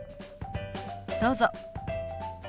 どうぞ。